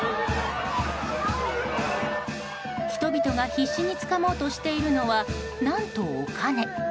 人々が必死につかもうとしているのは何と、お金。